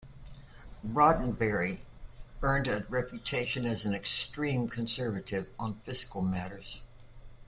Roddenbery earned a reputation as an extreme conservative on fiscal matters.